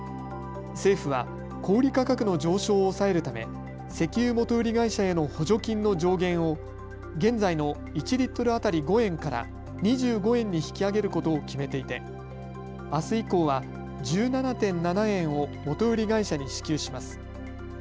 政府は小売価格の上昇を抑えるため石油元売り会社への補助金の上限を現在の１リットル当たり５円から２５円に引き上げることを決めていてあす以降は１７．７円を元売り会社に支給します。